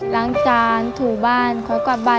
ล้างจานถูบ้านคอยกวาดบาน